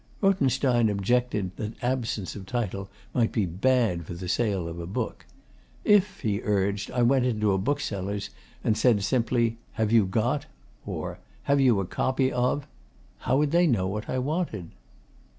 Rothenstein objected that absence of title might be bad for the sale of a book. 'If,' he urged, 'I went into a bookseller's and said simply "Have you got?" or "Have you a copy of?" how would they know what I wanted?